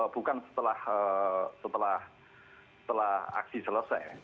bukan setelah aksi selesai